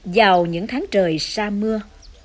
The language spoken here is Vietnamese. vào những tháng trời xa mưa